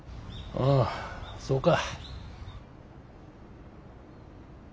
ああそうか。